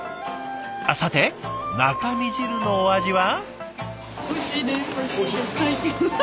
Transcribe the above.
あっさて中身汁のお味は？